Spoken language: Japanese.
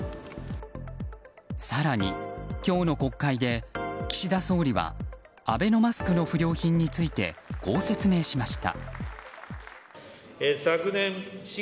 更に今日の国会で岸田総理はアベノマスクの不良品についてこう説明しました。